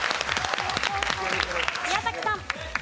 宮崎さん。